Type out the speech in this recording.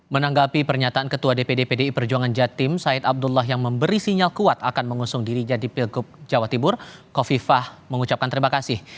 menanggapi pernyataan ketua dpd pdi perjuangan jatim said abdullah yang memberi sinyal kuat akan mengusung dirinya di pilgub jawa timur kofifah mengucapkan terima kasih